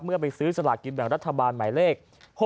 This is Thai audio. เมื่อไปซื้อสลากกินแบบรัฐบาลหมายเลข๖๓๘๖๘๔